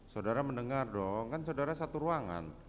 saudara mendengar dong kan saudara satu ruangan